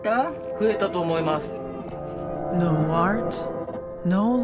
増えたと思います。